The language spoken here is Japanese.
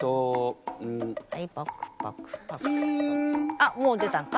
あっもう出たんか？